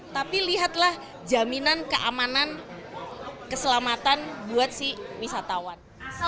tapi lihatlah jaminan keamanan keselamatan buat si wisatawan